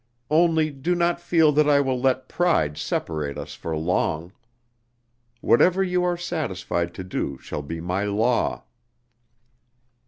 Only do not feel that I will let pride separate us for long. Whatever you are satisfied to do shall be my law."